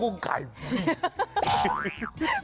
โอ้โหมูย่างเสือร้องไก่ปิ้ง